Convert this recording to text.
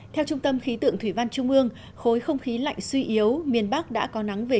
theo trung tâm khí tượng thủy văn trung ương khối không khí lạnh suy yếu miền bắc đã có nắng về